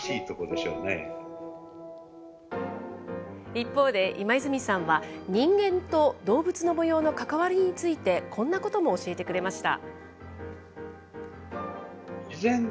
一方で、今泉さんは、人間と動物の模様の関わりについて、こんなことも教えてくれました。